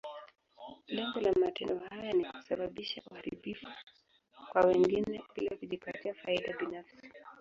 Lengo la matendo haya ni kusababisha uharibifu kwa wengine, bila kujipatia faida binafsi.